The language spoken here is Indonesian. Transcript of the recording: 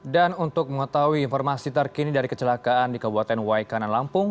dan untuk mengetahui informasi terkini dari kecelakaan di kabupaten waikanan lampung